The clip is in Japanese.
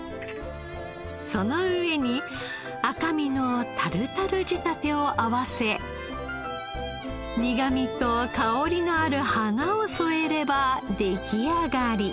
その上に赤身のタルタル仕立てを合わせ苦みと香りのある花を添えれば出来上がり。